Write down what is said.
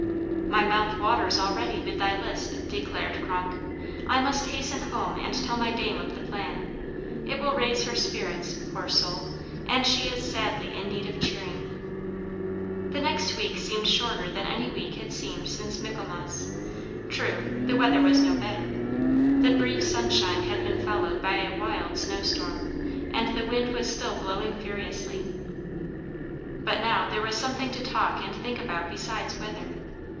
"My mouth waters already with thy list," declared Kronk. "I must hasten home and tell my dame of the plan. It will raise her spirits, poor soul, and she is sadly in need of cheering." The next week seemed shorter than any week had seemed since Michaelmas. True, the weather was no better. The brief sunshine had been followed by a wild snowstorm, and the wind was still blowing furiously. But now there was something to talk and think about besides weather.